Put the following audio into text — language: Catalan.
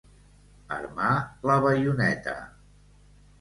Armar la baioneta.